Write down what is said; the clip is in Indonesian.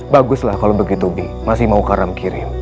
baguslah kalau begitu bi masih mau karam kirim